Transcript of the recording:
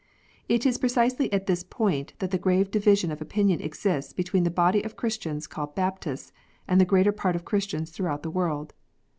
It is precisely at this point that the grave division of opinion exists between the body of Christians called Baptists and the greater part of Christians throughout the world.